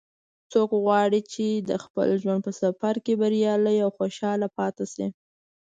څوک غواړي چې د خپل ژوند په سفر کې بریالی او خوشحاله پاتې شي